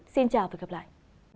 xin chào và hẹn gặp lại